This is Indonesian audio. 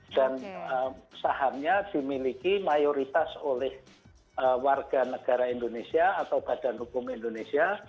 dan sahamnya dimiliki mayoritas oleh warga negara indonesia atau badan hukum indonesia